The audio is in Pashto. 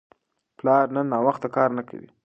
پلار نن ناوخته کار نه کوي.